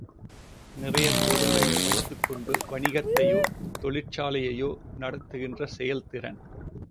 நிறையப் பொருளை வைத்துக் கொண்டு வணிகத்தையோ தொழிற்சாலையையோ நடத்துகின்ற செயல்திறன்.